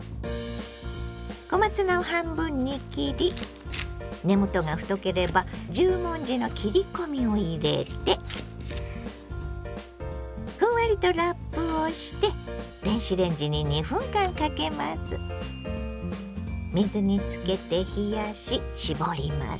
小松菜を半分に切り根元が太ければ十文字の切り込みを入れてふんわりとラップをして水につけて冷やし絞ります。